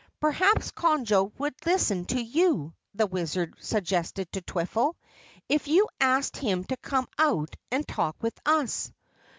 "Perhaps Conjo would listen to you," the Wizard suggested to Twiffle, "if you asked him to come out and talk with us."